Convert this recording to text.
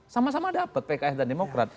sama sama dapat pks dan demokrat